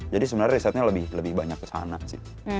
jadi sebenarnya risetnya lebih banyak kesana sih